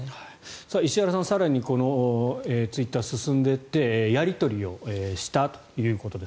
石原さん、更にツイッター進んでいってやり取りをしたということです。